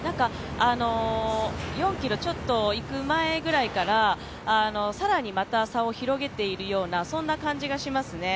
４ｋｍちょっといく前ぐらいから更にまた差を広げているような感じがしますね。